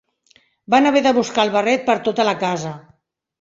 Van haver de buscar el barret per tota la casa.